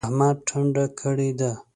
احمد ټنډه کړې ده.